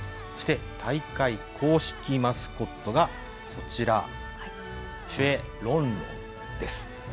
そして、大会公式マスコットが、そちら、シュエ・ロンロンです。